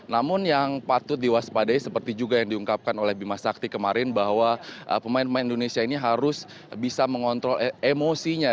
namun yang patut diwaspadai seperti juga yang diungkapkan oleh bimasakti kemarin bahwa pemain pemain indonesia ini harus bisa mengontrol emosinya